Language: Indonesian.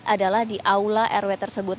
adalah di aula rw tersebut